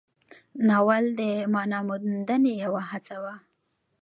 ناول د معنا موندنې یوه هڅه وه.